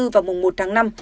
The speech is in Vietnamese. và mùng một tháng năm